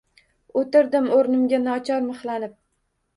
O‘tirdim o‘rnimga nochor mixlanib.